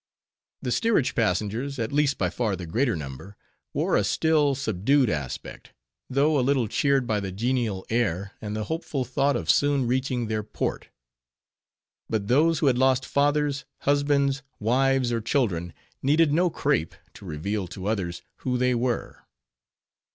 The steerage passengers—at least by far the greater number—wore a still, subdued aspect, though a little cheered by the genial air, and the hopeful thought of soon reaching their port. But those who had lost fathers, husbands, wives, or children, needed no crape, to reveal to others, who they were.